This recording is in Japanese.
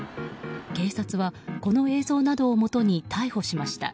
警察はこの映像などをもとに逮捕しました。